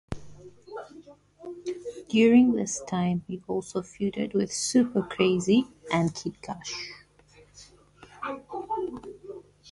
During this time, he also feuded with Super Crazy and Kid Kash.